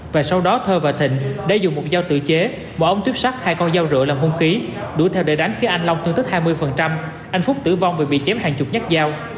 và sau đó thơ và thịnh đã dùng một dao tự chế bỏ ống tuyếp sắt hai con dao rượu làm hung khí đuổi theo để đánh khiến anh long thương tích hai mươi anh phúc tử vong vì bị chém hàng chục nhát dao